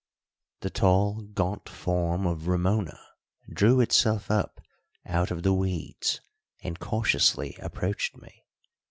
The tall, gaunt form of Ramona drew itself up out of the weeds and cautiously approached me.